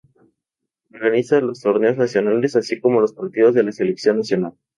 Organiza los torneos nacionales, así como los partidos de la selección nacional.